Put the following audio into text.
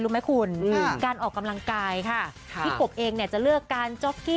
รู้ไหมคุณค่ะการออกกำลังไกลค่ะค่ะพี่กกจะเลือกการ